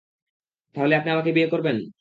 তাহলে আপনি আমাকে বিয়ে করবেন?